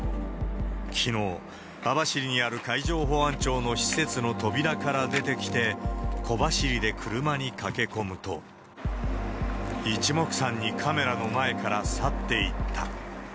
きのう、網走にある海上保安庁の施設の扉から出てきて、小走りで車に駆け込むと、一目散にカメラの前から去っていった。